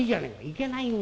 「いけないんだよ。